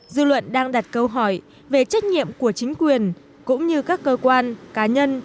dư luận đang đặt câu hỏi về trách nhiệm của chính quyền cũng như các cơ quan cá nhân